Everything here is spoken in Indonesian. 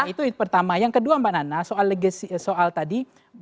itu pertama yang kedua mbak nana soal legasi soal tadi bandwagon efek tadi ya pengaruh pak jokowi